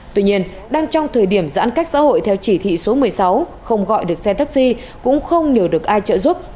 tuy nhiên đang trong thời điểm giãn cách xã hội theo chỉ thị số một mươi sáu không gọi được xe taxi cũng không nhờ được ai trợ giúp